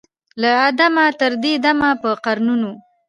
له آدمه تر دې دمه په قرنونو